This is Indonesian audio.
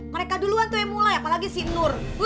mereka duluan tuh yang mulai apalagi si nur